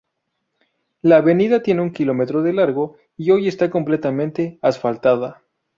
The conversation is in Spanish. La avenida tiene un kilómetro de largo y hoy está completamente asfaltada.